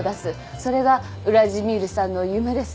それがウラジミールさんの夢です。